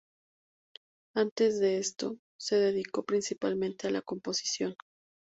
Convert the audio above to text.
Antes de esto se dedicó principalmente a la composición.